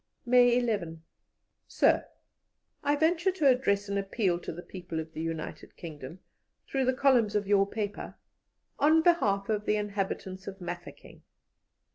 "May 11. "SIR, "I venture to address an appeal to the people of the United Kingdom, through the columns of your paper, on behalf of the inhabitants of Mafeking.